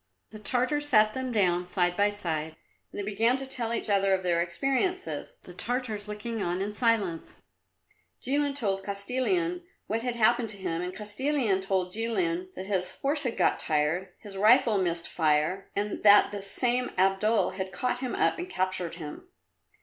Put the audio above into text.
The Tartars sat them down side by side, and they began to tell each other of their experiences, the Tartars looking on in silence. Jilin told Kostilin what had happened to him, and Kostilin told Jilin that his horse had got tired, his rifle missed fire, and that this same Abdul had caught him up and captured him.